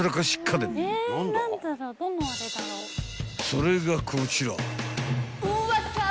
［それがこちら］